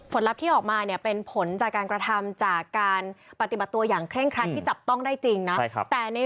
ลับที่ออกมาเนี่ยเป็นผลจากการกระทำจากการปฏิบัติตัวอย่างเคร่งครัดที่จับต้องได้จริงนะ